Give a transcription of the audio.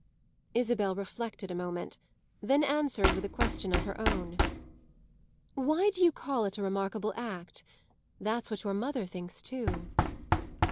Isabel reflected a moment, then answered with a question of her own. "Why do you call it a remarkable act? That's what your mother thinks too."